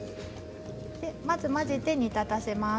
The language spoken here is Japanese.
まず混ぜて、煮立たせます。